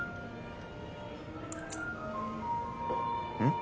うん？